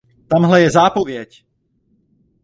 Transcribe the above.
Tamhle je zápověď!